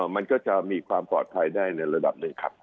มันก็จะมีความปลอดภัยได้ในระดับหนึ่งครับ